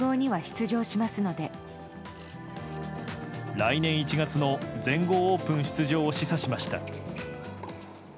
来年１月の全豪オープン出場を示唆しました。